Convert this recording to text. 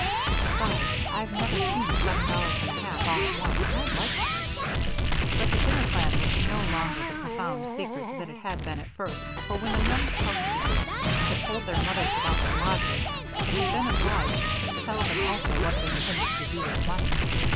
Besides, I've never seen seven dollars and a half all at once, and I'd like to." But the dinner plan was no longer the profound secret that it had been at first, for when the young housekeepers had told their mothers about their lodger, they had been obliged to tell them also what they intended to do with the money.